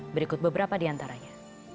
berikut beberapa di antaranya